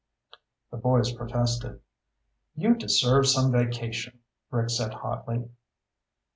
The boys protested. "You deserve some vacation," Rick said hotly.